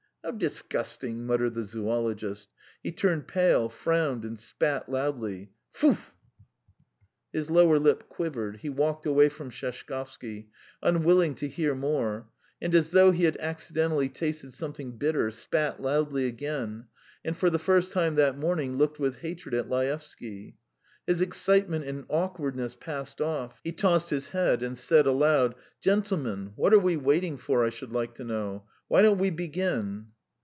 "How disgusting!" muttered the zoologist; he turned pale, frowned, and spat loudly. "Tfoo!" His lower lip quivered, he walked away from Sheshkovsky, unwilling to hear more, and as though he had accidentally tasted something bitter, spat loudly again, and for the first time that morning looked with hatred at Laevsky. His excitement and awkwardness passed off; he tossed his head and said aloud: "Gentlemen, what are we waiting for, I should like to know? Why don't we begin?"